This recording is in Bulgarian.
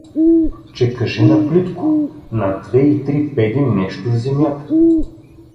— Че кажи на плитко: на две и три педи нещо в земята.